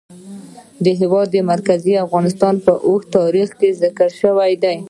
د هېواد مرکز د افغانستان په اوږده تاریخ کې ذکر شوی دی.